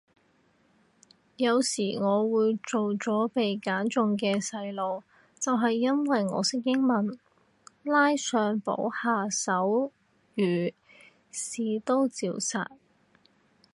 有時我會做咗被揀中嘅細路就係因為我識英文，拉上補下手語屎都照殺